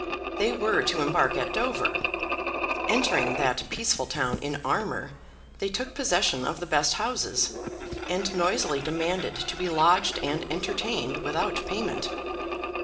They were to embark at Dover. Entering that peaceful town in armour, they took possession of the best houses, and noisily demanded to be lodged and entertained without payment.